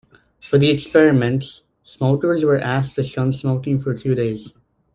For the experiments, smokers were asked to shun smoking for two days.